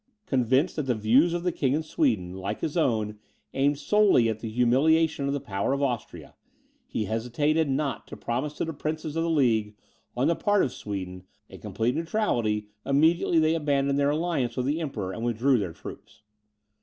Convinced that the views of the King of Sweden, like his own, aimed solely at the humiliation of the power of Austria, he hesitated not to promise to the princes of the League, on the part of Sweden, a complete neutrality, immediately they abandoned their alliance with the Emperor and withdrew their troops.